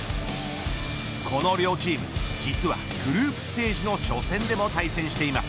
この両チーム実はグループステージの初戦でも対戦しています。